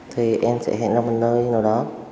thì em sẽ hẹn ở một nơi nào đó